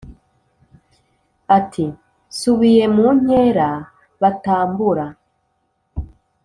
ati"nsubiye munkera batambura